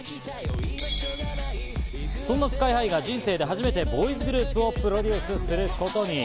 そんなＳＫＹ−ＨＩが人生で初めてボーイズグループをプロデュースすることに。